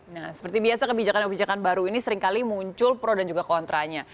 nah seperti biasa kebijakan kebijakan baru ini seringkali muncul pro dan juga kontranya